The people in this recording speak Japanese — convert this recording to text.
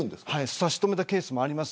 差し止めたケースもあります。